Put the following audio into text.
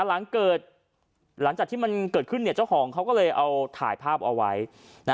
หลังเกิดหลังจากที่มันเกิดขึ้นเนี่ยเจ้าของเค้าก็เลยเอาถ่ายภาพเอาไว้นะฮะ